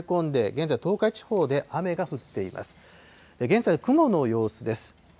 現在の雲の様子です。